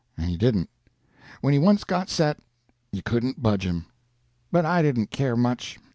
And he didn't. When he once got set, you couldn't budge him. But I didn't care much.